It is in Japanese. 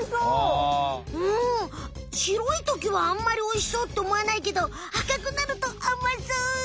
うんしろいときはあんまりおいしそうっておもわないけど赤くなるとあまそう！